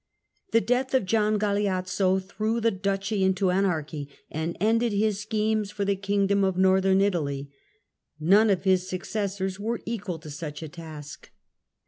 The death of Gian Galeazzo threw the Duchy into anarchy and ended his schemes for the Kingdom of Northern Italy : none of his successors were equal to such a task.